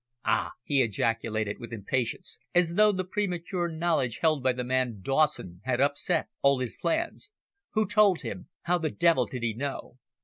"Ah!" he ejaculated, with impatience, as though the premature knowledge held by the man Dawson had upset all his plans. "Who told him? How the devil did he know?"